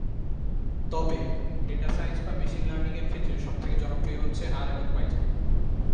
তবে data science বা machine learning এর ক্ষেত্রে সবথেকে জনপ্রিয় হচ্ছে আর এবং পাইথন।